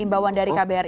imbawan dari kbr